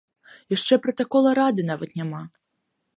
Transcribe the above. Яшчэ пратакола рады нават няма!